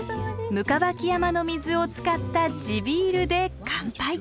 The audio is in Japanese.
行縢山の水を使った地ビールで乾杯！